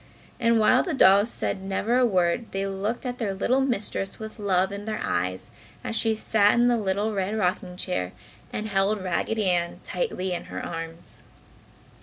And while the dolls said never a word they looked at their little mistress with love in their eyes as she sat in the little red rocking chair and held Raggedy Ann tightly in her arms.